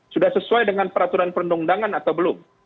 sudah sesuai dengan peraturan perundangan atau belum